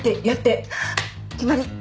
決まり。